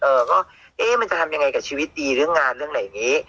เออก็เอ๊ะมันจะทำยังไงกับชีวิตดีเรื่องงานเรื่องอะไรอย่างนี้